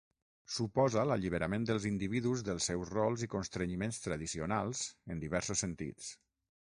Suposa l'alliberament dels individus dels seus rols i constrenyiments tradicionals en diversos sentits.